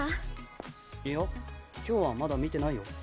いや今日はまだ見てないよ。